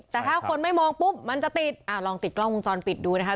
แต่ถ้าคนไม่มองปุ๊บมันจะติดอ่าลองติดกล้องวงจรปิดดูนะคะ